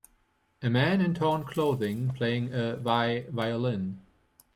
a man in torn clothing playing a vi violin.